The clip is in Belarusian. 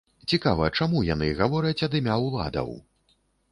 Цікава, чаму яны гавораць ад імя ўладаў?